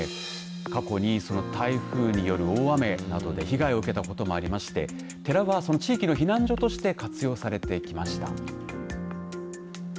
過去に台風による大雨などで被害を受けたこともありまして寺はその地域の避難所として活用されてきました。